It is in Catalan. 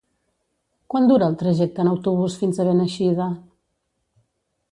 Quant dura el trajecte en autobús fins a Beneixida?